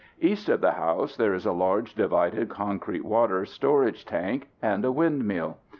East of the house there is a large, divided concrete water storage tank and a windmill.